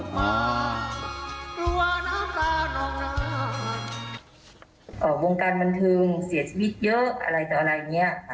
วงการบันทึงเสียชีวิตเยอะอะไรก็อะไร